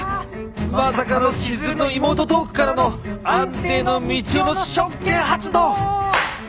まさかの千鶴の妹トークからの安定のみちおの職権発動！」